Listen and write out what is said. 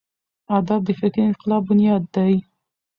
ادب د فکري انقلاب بنیاد دی.